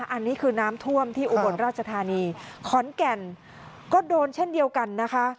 อันนี้คือน้ำท่วมที่อุบลราชธานีขอนแก่นก็โดนเช่นเดียวกันนะคะ